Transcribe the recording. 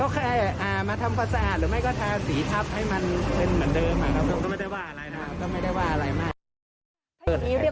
ก็ค่อยมาทำภาษาหรือถางสีทับหิดอย่างเดิม